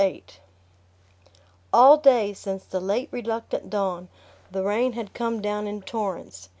VIII All day, since the late reluctant dawn, the rain had come down in torrents.